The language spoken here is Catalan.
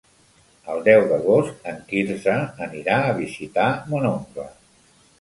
El deu d'agost en Quirze anirà a visitar mon oncle.